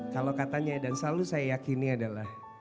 kalau katanya dan selalu saya yakini adalah